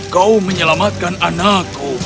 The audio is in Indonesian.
kau menyelamatkan anakku